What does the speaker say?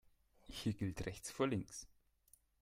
Hier gilt rechts vor links.